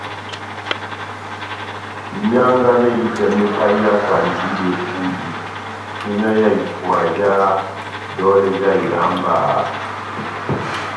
Mianga mehitɛ me paiyakandi bepuli tina ya ipuania ja dolɛ já iyamba